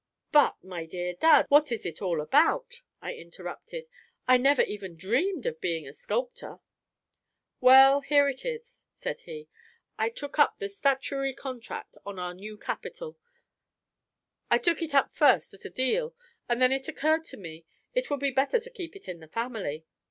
"But, my dear dad, what is it all about?" I interrupted. "I never even dreamed of being a sculptor." "Well, here it is," said he. "I took up the statuary contract on our new capitol; I took it up at first as a deal; and then it occurred to me it would be better to keep it in the family.